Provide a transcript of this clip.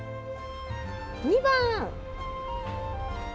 ２番！